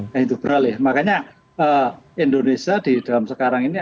nah itu beralih makanya indonesia di dalam sekarang ini